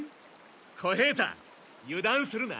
小平太油断するな。